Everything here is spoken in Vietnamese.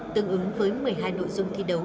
tương ứng với một mươi hai nội dung thi đấu